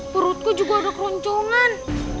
perutku juga ada keruncungan